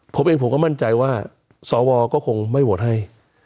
ผมเองผมก็มั่นใจว่าสวก็คงไม่โหวตให้